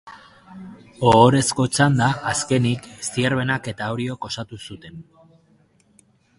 Ohorezko txanda, azkenik, Zierbenak eta Oriok osatu zuten.